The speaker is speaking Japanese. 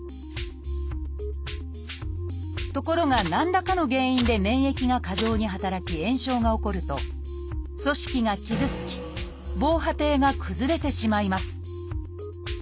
ところが何らかの原因で免疫が過剰に働き炎症が起こると組織が傷つき防波堤が崩れてしまいます。